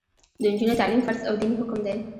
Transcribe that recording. د نجونو تعلیم فرض او دیني حکم دی.